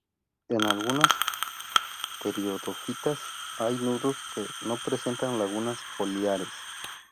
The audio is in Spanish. En algunas pteridofitas hay nudos que no presentan lagunas foliares.